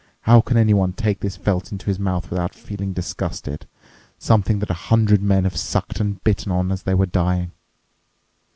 How can anyone take this felt into his mouth without feeling disgusted—something that a hundred man have sucked and bitten on it as they were dying?"